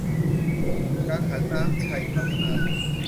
กังหันน้ำชัยพัฒนา